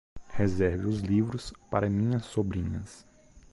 Reserve os livros para minhas sobrinhas